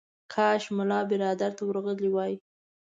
کاش ملا برادر ته ورغلی و.